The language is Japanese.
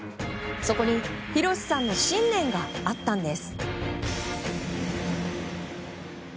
そこに洋さんの信念があったんです。